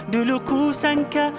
dulu ku sangka